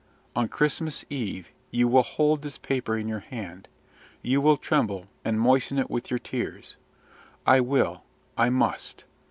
On Christmas Eve you will hold this paper in your hand; you will tremble, and moisten it with your tears. I will I must!